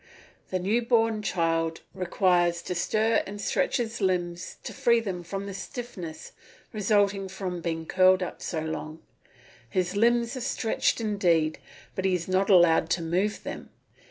The new born child requires to stir and stretch his limbs to free them from the stiffness resulting from being curled up so long. His limbs are stretched indeed, but he is not allowed to move them.